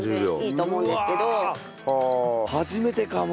初めてかも！